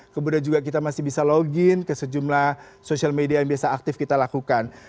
kemudian juga kita masih bisa login ke sejumlah social media yang biasa aktif kita lakukan